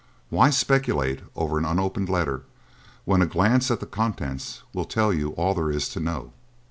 Why speculate over an unopened letter when a glance at the contents will tell you all there is to know?"